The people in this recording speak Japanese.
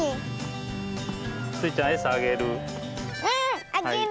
スイちゃんえさあげる？